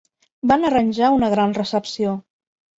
Van arranjar una gran recepció.